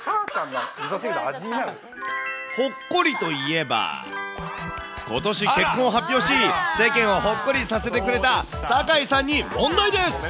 ほっこりといえば、ことし結婚を発表し、世間をほっこりさせてくれた、坂井さんに問題です。